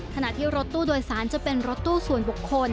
ขณะที่รถตู้โดยสารจะเป็นรถตู้ส่วนบุคคล